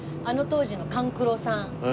あの当時の勘九郎さん。